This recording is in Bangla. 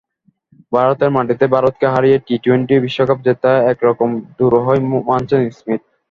ভারতের মাটিতে ভারতকে হারিয়ে টি-টোয়েন্টি বিশ্বকাপ জেতা একরকম দুরূহই মানছেন স্মিথ।